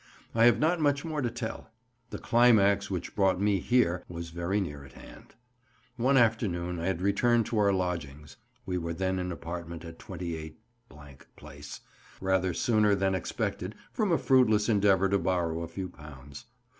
I have not much more to tell; the climax which brought me here was very near at hand. One afternoon I had returned to our lodgings (we were then in apartments at 28, — Place) rather sooner than expected from a fruitless endeavour to borrow a few pounds.